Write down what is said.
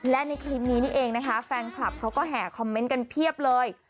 และในคลิปนี้นี่เองนะคะแฟนคลับเขาก็แห่คอมเมนต์กันเพียบเลย